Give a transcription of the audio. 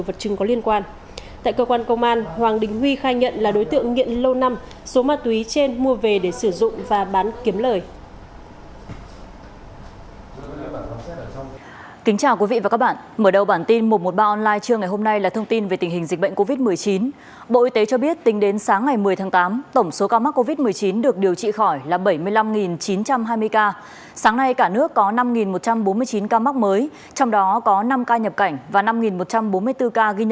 tại cơ quan công an hoàng đình huy khai nhận là đối tượng nghiện lâu năm số mát túy trên mua về để sử dụng và bán kiếm lời